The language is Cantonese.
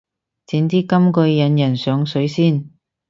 整啲金句引人上水先